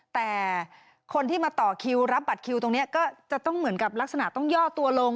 แต่คนที่มาต่อคิวรับบัตรคิวตรงนี้ก็จะต้องเหมือนกับลักษณะต้องย่อตัวลง